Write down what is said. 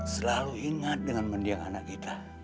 selalu ingat dengan mendiang anak kita